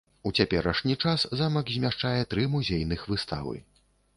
У цяперашні час замак змяшчае тры музейных выставы.